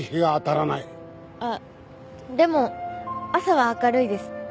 あっでも朝は明るいです。